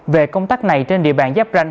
về công tác này trên địa bàn giáp ranh